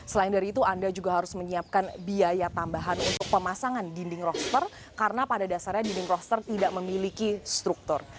selain dari itu anda juga harus menyiapkan biaya tambahan untuk pemasangan dinding roster karena pada dasarnya dinding roster tidak memiliki struktur